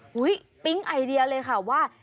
ปิ๊งไอเดียเลยค่ะว่า